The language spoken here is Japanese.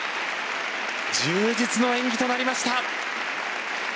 充実の演技となりました。